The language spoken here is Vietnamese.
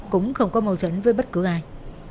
cũng không có mâu thuẫn với bất cứ ai